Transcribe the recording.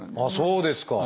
そうですか。